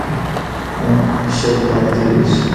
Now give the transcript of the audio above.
نن شل کاله تیریږي